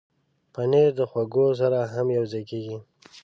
پنېر د خواږو سره هم یوځای کېږي.